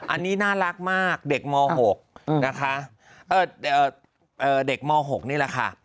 อันนี้น่ารักมากเด็กม๖นะคะเด็กม๖นี่แหละค่ะ